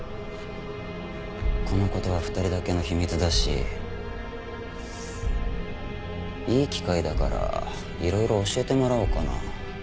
この事は２人だけの秘密だしいい機会だからいろいろ教えてもらおうかな。